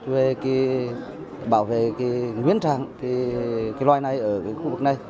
về bảo vệ nguyên trạng loài này ở khu vực này